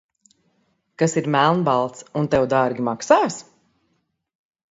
Kas ir melnbalts un tev dārgi maksās?